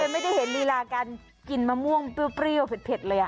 ไม่ได้เห็นลีลาการกินมะม่วงเปรี้ยวเผ็ดเลย